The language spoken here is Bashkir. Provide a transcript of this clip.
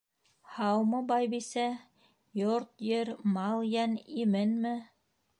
— Һаумы, байбисә, йорт-ер, мал-йән именме?